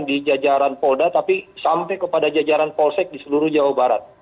di jajaran polda tapi sampai kepada jajaran polsek di seluruh jawa barat